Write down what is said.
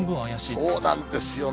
そうなんですよね。